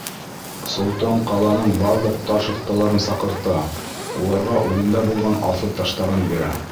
Солтан ҡаланың барлыҡ таш оҫталарын саҡырта, уларға үҙендә булған аҫыл таштарын бирә.